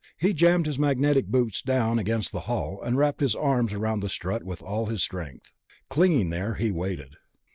He jammed his magnetic boots down against the hull, and wrapped his arms around the strut with all his strength. Clinging there, he waited.